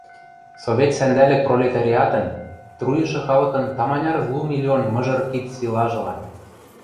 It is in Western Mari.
Совет сӓндӓлӹк пролетариатын, труйышы халыкын таманяр лу миллион мыжыр кид силажылан